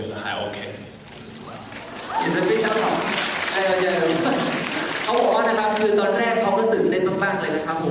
เขาบอกว่านะครับคือตอนแรกเขาก็ตื่นเต้นมากเลยนะครับผม